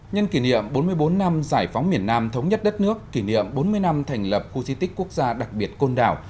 nhân kỷ niệm bốn mươi bốn năm giải phóng miền nam thống nhất đất nước kỷ niệm bốn mươi năm thành lập khu di tích quốc gia đặc biệt côn đảo